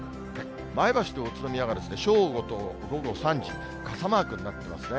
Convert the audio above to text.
前橋と宇都宮が正午と午後３時、傘マークになってますね。